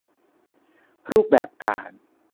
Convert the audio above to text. รูปแบบการ